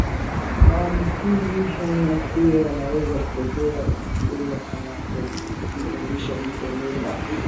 Maambukizi haya pia yanaweza kutokea dume anapomtungisha jike mimba